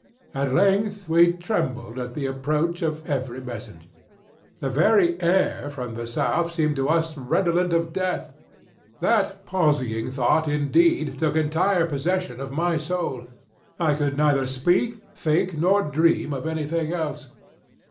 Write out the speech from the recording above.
At length we trembled at the approach of every messenger. The very air from the South seemed to us redolent with death. That palsying thought, indeed, took entire possession of my soul. I could neither speak, think, nor dream of any thing else.